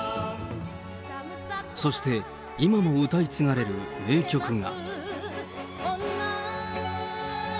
そして今も歌い継がれる名曲が。